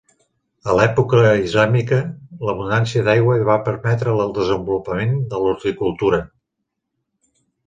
A l’època islàmica, l’abundància d’aigua hi va permetre el desenvolupament de l’horticultura.